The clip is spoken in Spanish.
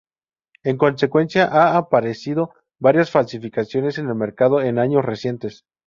En consecuencia, han aparecido varias falsificaciones en el mercado, en años recientes.